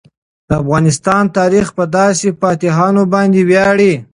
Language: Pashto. د افغانستان تاریخ په داسې فاتحانو باندې ویاړي.